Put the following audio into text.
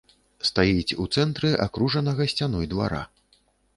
Стаіць у цэнтры акружанага сцяной двара.